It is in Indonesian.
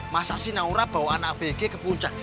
masa sih naura bawa anak bg ke puncak